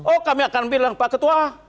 oh kami akan bilang pak ketua